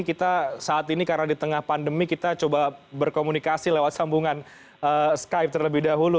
kita saat ini karena di tengah pandemi kita coba berkomunikasi lewat sambungan skype terlebih dahulu